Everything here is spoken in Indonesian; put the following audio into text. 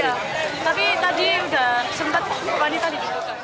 iya tapi tadi sudah sempat wanita diduga